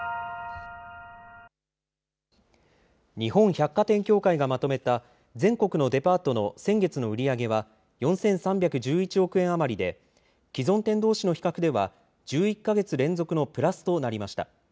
日本百貨店協会がまとめた全国のデパートの先月の売り上げは４３１１億円余りで、既存店どうしの比較では１１か月連続のプラスとなりました。